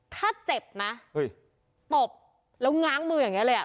ถ้าเจ็บนะตบแล้วง้างมืออย่างนี้เลยอ่ะ